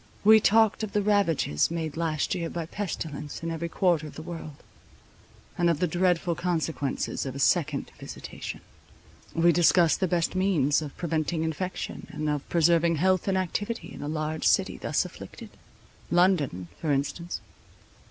We talked of the ravages made last year by pestilence in every quarter of the world; and of the dreadful consequences of a second visitation. We discussed the best means of preventing infection, and of preserving health and activity in a large city thus afflicted—London, for instance.